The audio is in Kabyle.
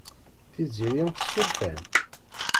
Tiziri tessuref-am.